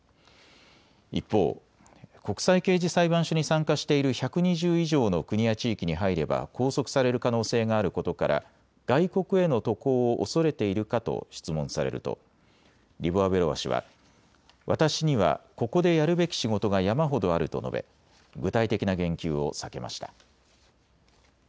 一方、国際刑事裁判所に参加している１２０以上の国や地域に入れば拘束される可能性があることから外国への渡航を恐れているかと質問されるとリボワベロワ氏は私にはここでやるべき仕事が山ほどあると述べ具体的な言及を避けました。